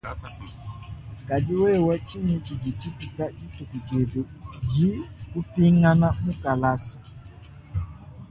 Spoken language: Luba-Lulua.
Kadi wewe tshingi tshidi tshipita dithuku diebe di kupingana mukalasa?